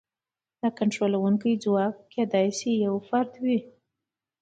دا کنټرولونکی ځواک کېدای شي یو فرد وي.